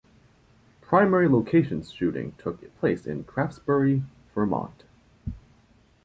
Primary location shooting took place in Craftsbury, Vermont.